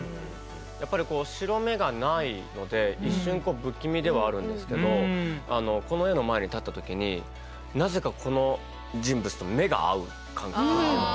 やっぱりこう白目がないので一瞬不気味ではあるんですけどこの絵の前に立った時になぜかこの人物と目が合う感覚というか。